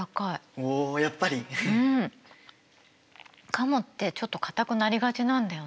カモってちょっとかたくなりがちなんだよね。